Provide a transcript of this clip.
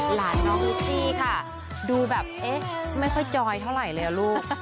หลานน้องลิซี่ค่ะดูแบบเอ๊ะไม่ค่อยจอยเท่าไหร่เลยลูก